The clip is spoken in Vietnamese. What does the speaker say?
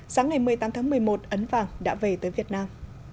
sáng ngày một mươi tám tháng một mươi một ấn vàng đã về tới việt nam